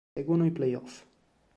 Seguono i playoff.